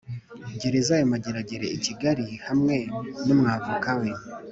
gereza ya Mageragere i Kigali hamwe n’umwavoka we.